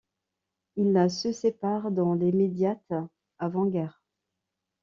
Ils se séparent dans l'immédiate avant-guerre.